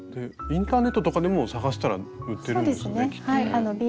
インターネットとかでも探したら売ってるんですよねきっとね。